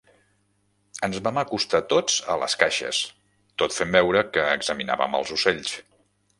Ens vam acostar tots a les caixes, tot fent veure que examinàvem els ocells.